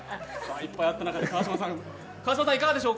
いっぱいあった中で川島さん、いかがでしょう？